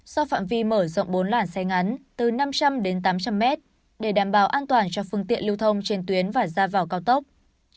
sau phạm vi mở rộng bốn làn xe ngắn từ năm trăm linh đến tám trăm linh mét để đảm bảo an toàn cho phương tiện lưu thông trên tuyến và ra vào cao tốc